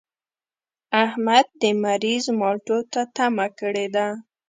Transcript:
احمد د مريض مالټو ته تمه کړې ده.